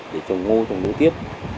để trồng ngu trồng ngu tiếp